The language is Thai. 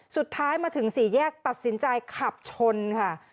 สุดท้ายมาถึงสี่แยกตัดสินใจขับชนค่ะ